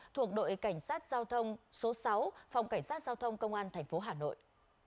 thuộc đội cảnh sát giao thông số sáu phòng cảnh sát giao thông công an thành phố hà nội